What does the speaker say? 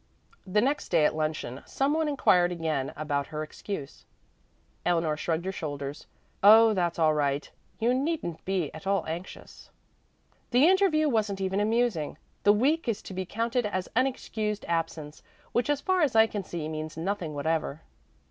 The next day at luncheon some one inquired again about her excuse. Eleanor shrugged her shoulders. "Oh, that's all right; you needn't be at all anxious. The interview wasn't even amusing. The week is to be counted as unexcused absence which as far as I can see means nothing whatever."